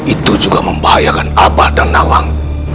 itu juga membahayakan abah dan nawang